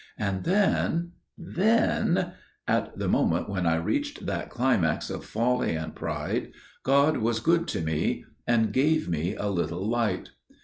And then––then––at the moment when I reached that climax of folly and pride, God was good to me and gave me a little light.